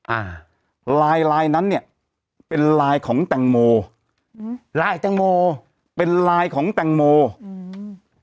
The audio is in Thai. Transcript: อ่าลายลายนั้นเนี้ยเป็นลายของแต่งโมหือลายแต่งโมเป็นลายของแต่งโมอื้อ